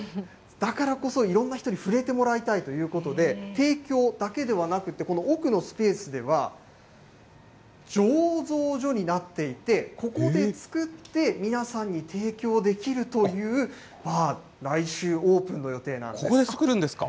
だからこそ、いろんな人に触れてもらいたいということで、提供だけではなくて、この奥のスペースでは、醸造所になっていて、ここで作って、皆さんに提供できるというバー、来週オープンの予定なここで作るんですか。